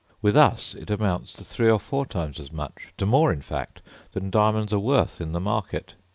With us it amounts to three or four times as much to more, in fact, than diamonds are worth in the market.